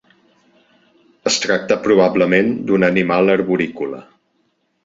Es tracta probablement d'un animal arborícola.